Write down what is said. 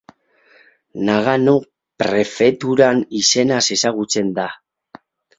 Nagano prefeturan izenaz ezagutzen da.